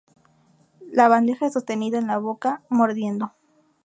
La bandeja es sostenida en la boca mordiendo.